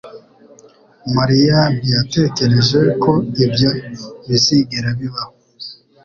Mariya ntiyatekereje ko ibyo bizigera bibaho.